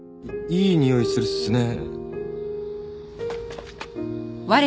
いいい匂いするっすね。